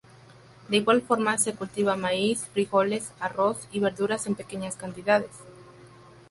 De igual forma, se cultiva maíz, frijoles, arroz, y verduras en pequeñas cantidades.